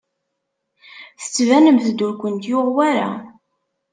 Tettbanemt-d ur kent-yuɣ wara.